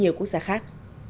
nhiều quốc gia khác